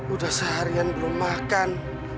udah seharian belum makan